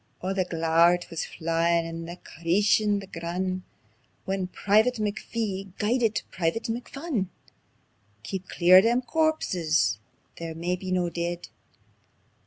Oh the glaur it wis fylin' and crieshin' the grun', When Private McPhee guidit Private McPhun. "Keep clear o' them corpses they're maybe no deid!